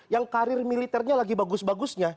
yang karir militernya lagi bagus bagusnya